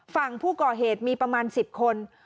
ฝั่งผู้ก่อเหตุมีประมาณ๑๐คน